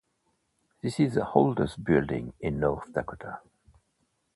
This is the oldest building in North Dakota.